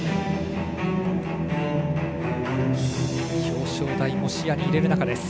表彰台も視野に入れる中です。